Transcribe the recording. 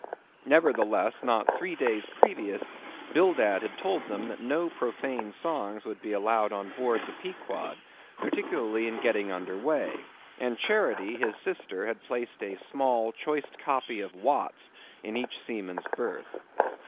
Nevertheless, not three days previous, Bildad had told them that no profane songs would be allowed on board the Pequod, particularly in getting under weigh; and Charity, his sister, had placed a small choice copy of Watts in each seaman's berth.